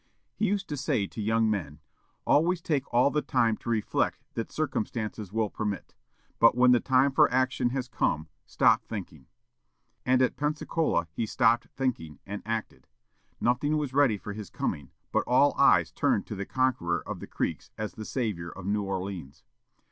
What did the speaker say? He used to say to young men, "Always take all the time to reflect that circumstances will permit; but when the time for action has come, stop thinking." And at Pensacola he stopped thinking, and acted. Nothing was ready for his coming, but all eyes turned to the conquerer of the Creeks as the savior of New Orleans.